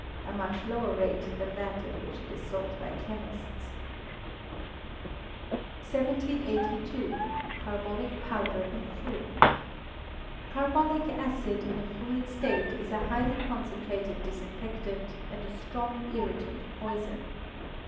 a much lower rate than that at which it is sold by chemists. 1782. Carbolic Powder and Fluid. Carbolic acid in a fluid state is a highly concentrated disinfectant, and a strong irritant poison.